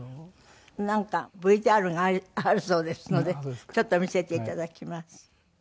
なんかＶＴＲがあるそうですのでちょっと見せていただきます。